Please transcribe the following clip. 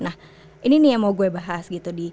nah ini nih yang mau gue bahas gitu